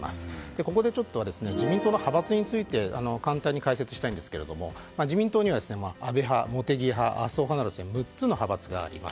ここで自民党の派閥について簡単に解説したいんですが自民党には安倍派、茂木派麻生派など６つの派閥があります。